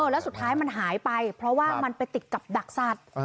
แล้วสุดท้ายมันหายไปเพราะว่ามันไปติดกับดักสัตว์